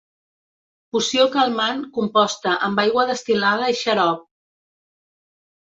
Poció calmant composta amb aigua destil·lada i xarop.